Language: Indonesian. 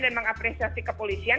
dan mengapresiasi kepolisian